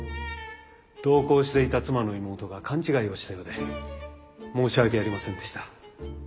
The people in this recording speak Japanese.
同行していた妻の妹が勘違いをしたようで申し訳ありませんでした。